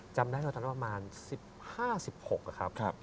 จำได้ตั้งแต่ประมาณ๑๕๑๖ครับ